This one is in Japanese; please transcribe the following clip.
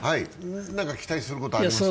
期待することありますか？